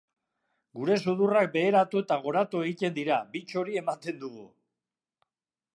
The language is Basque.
Gure sudurrak beheratu eta goratu egiten dira, bi txori ematen dugu.